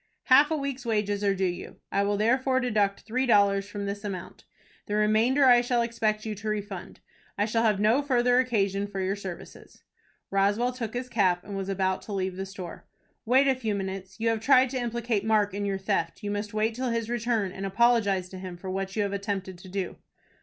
"Half a week's wages are due you, I will therefore deduct three dollars from this amount. The remainder I shall expect you to refund. I shall have no further occasion for your services." Roswell took his cap, and was about to leave the store. "Wait a few minutes. You have tried to implicate Mark in your theft. You must wait till his return, and apologize to him for what you have attempted to do."